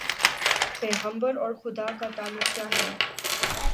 پیغمبر اور خدا کا تعلق کیا ہے؟